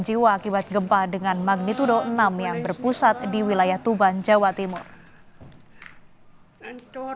jiwa akibat gempa dengan magnitudo enam yang berpusat di wilayah tuban jawa timur